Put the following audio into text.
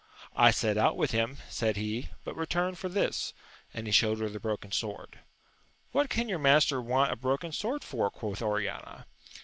I set out with him, said he, but returned for this ; and he showed her the broken sword. What can your master want a broken sword fori quoth Oriana.